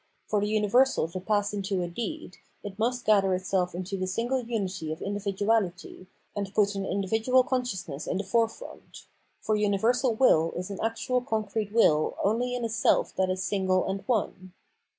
For the universal to pass into a deed, it must gather itself into the single unity of individuality, and put an individual consciousness in the forefront ; for universal will is an actual concrete will only in a self that is single and one.